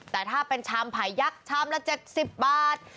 แต่ถ้าเป็นชามไผ่ยักษ์ชามละ๗๐บาท